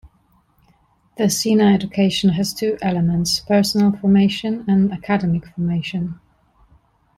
The Siena Education has two elements: Personal Formation and Academic Formation.